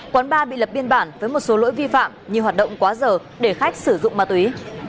quán ba bị lập biên bản với một số lỗi vi phạm như hoạt động quá giờ để khách sử dụng ma túy